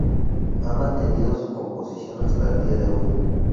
Ha mantenido su composición hasta el día de hoy.